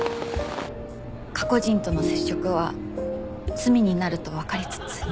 過去人との接触は罪になるとわかりつつ。